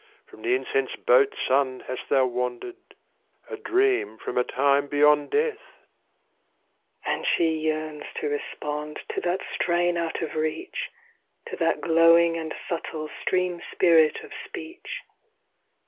From the incense boat Sun hast thou wandered, a dream from a time beyond death? ' 6 4 Ill And she yearns to respond To that strain out of reach, To that glowing and subtle Stream spirit of speech.